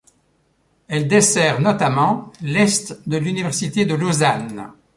Elle dessert notamment l'est de l'université de Lausanne.